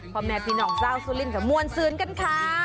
พอแม่พี่น้องซ่าวซูรินก็มวลสืนกันค่ะ